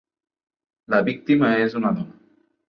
La víctima és una dona.